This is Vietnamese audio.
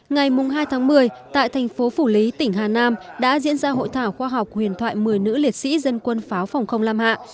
ngày hai tháng một mươi tại thành phố phủ lý tỉnh hà nam đã diễn ra hội thảo khoa học huyền thoại một mươi nữ liệt sĩ dân quân pháo phòng không lam hạ